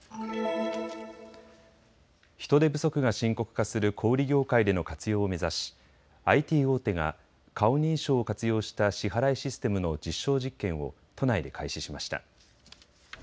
人手不足が深刻化する小売業界での活用を目指しＩＴ大手が顔認証を活用した支払いシステムの実証実験を都内で開始しました。